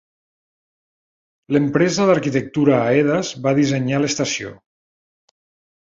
L'empresa d'arquitectura Aedas va dissenyar l'estació.